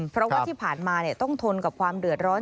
เพราะว่าที่ผ่านมาต้องทนกับความเดือดร้อน